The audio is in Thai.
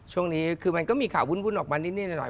ช่วงนี้คือมันก็มีข่าววุ่นออกมานิดหน่อย